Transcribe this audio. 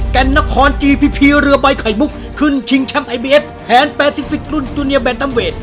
แก่นนครจีพีพีเรือใบไข่มุกขึ้นชิงแชมป์ไอบีเอสแทนแปซิฟิกรุ่นจูเนียแบนตัมเวท